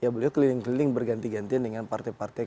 beliau keliling keliling berganti gantian dengan partai partai